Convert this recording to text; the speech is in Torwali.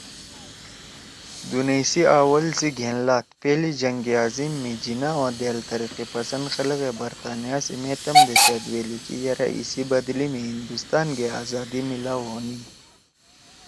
دُونیئی سی اول سی گھین لات )پہلی جنگ عظیم( می جناح او دأل ترقی پسند خلَگے برطانیہ سی مے تَم دے سأدویلی کی یرأ اِسی بدلی می ہندوستان گے آزادی میلاؤ ہونیِن